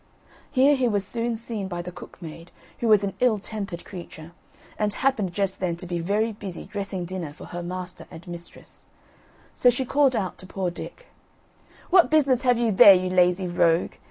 Here he was soon seen by the cook maid, who was an ill tempered creature, and happened just then to be very busy dressing dinner for her master and mistress; so she called out to poor Dick: "What business have you there, you lazy rogue?